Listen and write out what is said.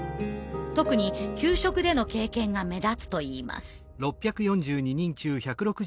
特に給食での経験が目立つといいます。